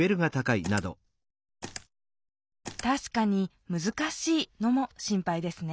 たしかに「難しい」のも心配ですね